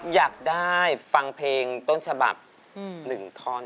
อยากได้ฟังเพลงต้นฉบับ๑ท่อน